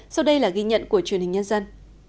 sau đây là ghi nhận của truyền hình nhân dân